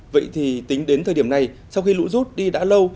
vậy thì tính đến thời điểm này sau khi lũ rút đi đã lâu